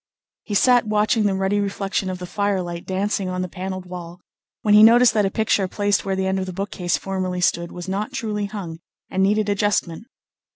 He sat watching the ruddy reflection of the firelight dancing on the panelled wall, when he noticed that a picture placed where the end of the bookcase formerly stood was not truly hung, and needed adjustment.